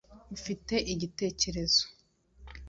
ufite igitekerezo